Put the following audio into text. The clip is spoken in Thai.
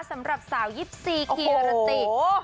สำหรับสาว๒๔คีย์อาราติ